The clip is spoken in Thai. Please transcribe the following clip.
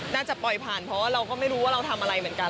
น่าจะปล่อยผ่านเพราะว่าเราก็ไม่รู้ว่าเราทำอะไรเหมือนกัน